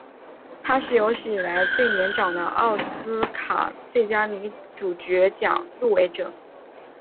她是有史以来最年长的奥斯卡最佳女主角奖入围者。